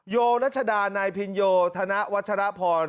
โยรัชดานายพินโยธนวัชรพร